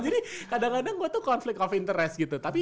jadi kadang kadang gue tuh konflik of interest gitu